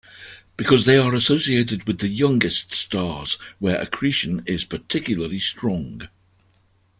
Because they are associated with the youngest stars, where accretion is particularly strong.